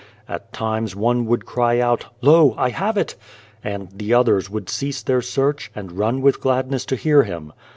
At times one would cry out, " Lo, I have it !" and the others would cease their search, and run with gladness to hear him.